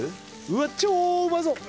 わっ超うまそう！